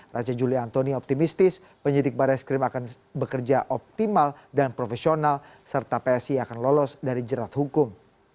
raja juli antoni optimistis penyidik barreskrim akan bekerja optimal dan profesional serta psi akan lolos dari jerat hukum